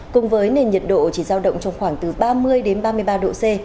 cùng với nền nhiệt độ chỉ giao động trong khoảng từ ba mươi ba mươi ba độ c